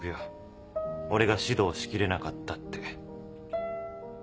俺が指導しきれなかったって。